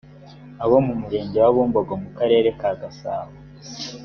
aba mu murenge wa bumbogo akarere ka gasabo